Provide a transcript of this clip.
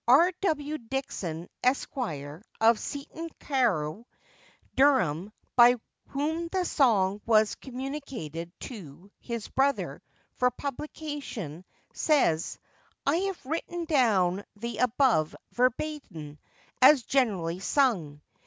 R. W. Dixon, Esq., of Seaton Carew, Durham, by whom the song was communicated to his brother for publication, says, 'I have written down the above, verbatim, as generally sung.